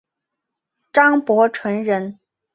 张伯淳人。